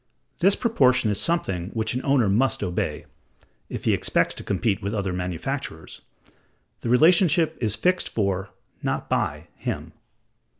This proportion is something which an owner must obey, if he expects to compete with other manufacturers: the relationship is fixed for, not by, him.